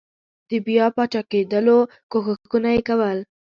د بیا پاچاکېدلو کوښښونه یې کول.